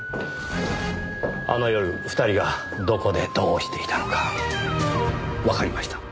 あの夜２人がどこでどうしていたのかわかりました。